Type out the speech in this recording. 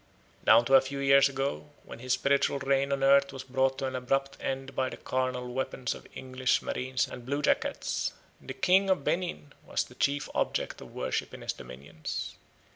Down to a few years ago, when his spiritual reign on earth was brought to an abrupt end by the carnal weapons of English marines and bluejackets, the king of Benin was the chief object of worship in his dominions.